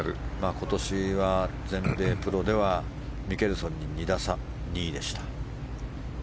今年は全米プロではミケルソンに２打差２位でした。